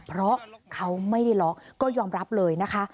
เพราะเขาไม่ได้ล็อกก็ยอมรับเลยนะคะ